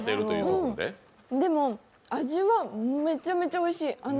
でも、味はめちゃめちゃおいしい！